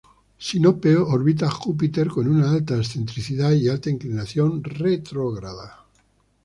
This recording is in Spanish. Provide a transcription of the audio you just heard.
Sinope orbita a Júpiter con una alta excentricidad y alta inclinación retrógrada.